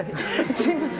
すみません。